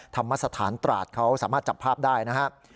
ธรรมสถานตราดเขาสามารถจับภาพได้นะครับ